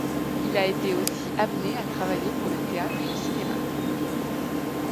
Il a été aussi amené à travailler pour le théâtre et le cinéma.